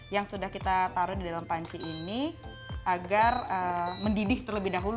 yang sudah kita taruh di dalam seribu sembilan ratus sembilan puluh sembilan next agar mendidih terlebih